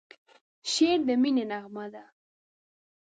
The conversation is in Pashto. شعر د مینې نغمه ده.